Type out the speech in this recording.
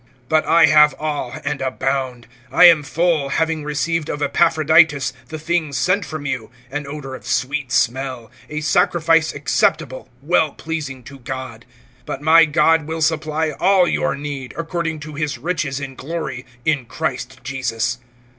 (18)But I have all, and abound; I am full, having received of Epaphroditus the things sent from you, an odor of sweet smell, a sacrifice acceptable, well pleasing to God. (19)But my God will supply all your need, according to his riches in glory, in Christ Jesus.